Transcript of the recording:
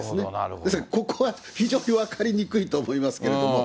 ですから、ここは非常に分かりにくいと思いますけれども。